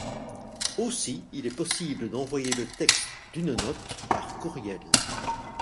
Aussi, il est possible d'envoyer le texte d'une note par courriel.